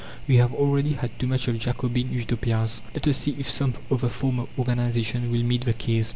We have already had too much of Jacobin Utopias! Let us see if some other form of organization will meet the case.